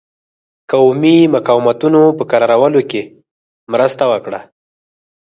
قومي مقاومتونو په کرارولو کې مرسته وکړه.